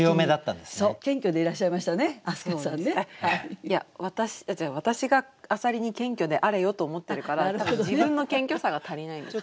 いや私が浅蜊に「謙虚であれよ」と思ってるから多分自分の謙虚さが足りないんですね。